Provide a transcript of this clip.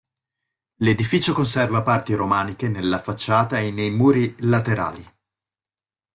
L'edificio conserva parti romaniche nella facciata e nei muri laterali.